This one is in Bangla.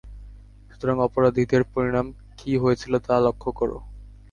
সুতরাং অপরাধীদের পরিণাম কি হয়েছিল তা লক্ষ্য কর!